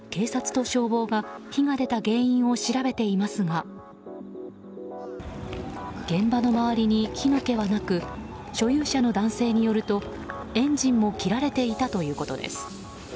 警察と消防が火が出た原因を調べていますが現場の周りに火の気はなく所有者の男性によるとエンジンも切られていたということです。